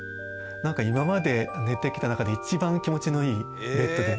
何か今まで寝てきた中で一番気持ちのいいベッドで。